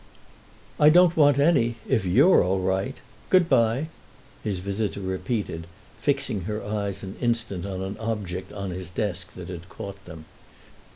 "I don't want any—if you're all right. Good by," his visitor repeated, fixing her eyes an instant on an object on his desk that had caught them.